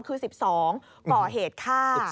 คือ๑๒ก่อเหตุฆ่า